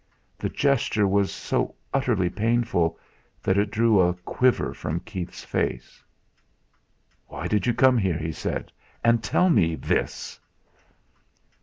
The gesture was so utterly painful that it drew a quiver from Keith's face. "Why did you come here," he said, "and tell me this?"